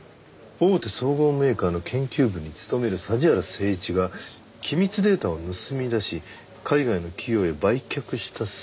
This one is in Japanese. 「大手総合メーカーの研究部に勤める桟原誠一が機密データを盗み出し海外の企業へ売却した末に自殺」？